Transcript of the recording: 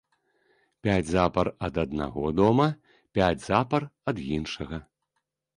Пяць запар ад аднаго дома, пяць запар ад іншага.